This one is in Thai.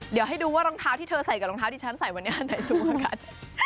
เดี๋ยวให้ดูว่ารองเท้าที่เธอใส่กับรองเท้าที่ฉันใส่วันนี้อันไหนสูงกว่ากัน